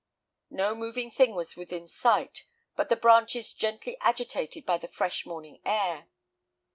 No moving thing was within sight, but the branches gently agitated by the fresh morning air.